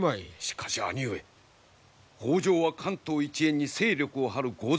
しかし兄上北条は関東一円に勢力を張る豪族。